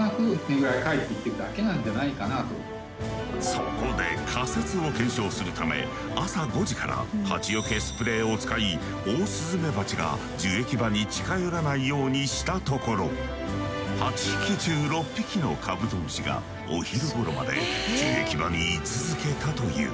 そこで仮説を検証するため朝５時からハチよけスプレーを使いオオスズメバチが樹液場に近寄らないようにしたところ８匹中６匹のカブトムシがお昼ごろまで樹液場に居続けたという。